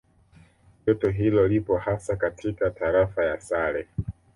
Joto hilo lipo hasa katika Tarafa ya Sale